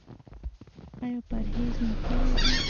ایا پرهیز مو کړی دی؟